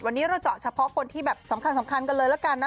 วันนี้เราเจาะเฉพาะคนที่แบบสำคัญกันเลยละกันนะ